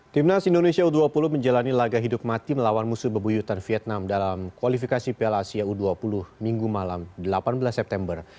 timnas indonesia u dua puluh menjalani laga hidup mati melawan musuh bebuyutan vietnam dalam kualifikasi piala asia u dua puluh minggu malam delapan belas september